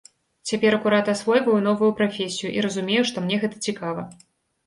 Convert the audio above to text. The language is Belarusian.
Цяпер акурат асвойваю новую прафесію і разумею, што мне гэта цікава.